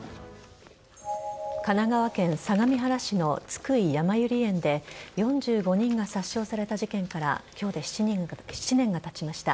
神奈川県相模原市の津久井やまゆり園で４５人が殺傷された事件から今日で７年がたちました。